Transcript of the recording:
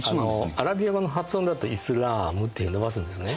アラビア語の発音だと「イスラーム」って伸ばすんですね。